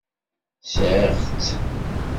Sɛiɣ-tt.